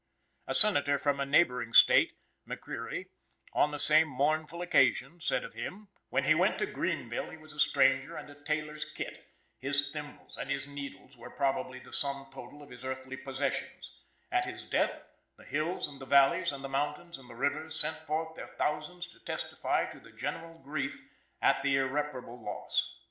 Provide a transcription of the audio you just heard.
A Senator from a neighboring State, (McCreery), on the same mournful occasion said of him: "When he went to Greeneville he was a stranger, and a tailor's "kit," his thimbles and his needles, were probably the sum total of his earthly possessions; at his death, the hills and the valleys and the mountains and the rivers, sent forth their thousands to testify to the general grief at the irreparable loss.